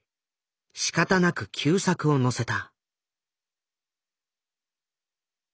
しかたなく旧作を載せた。